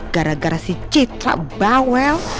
gara gara si citra bawel